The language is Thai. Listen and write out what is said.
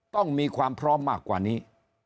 ต้องมีความพร้อมมากกว่านี้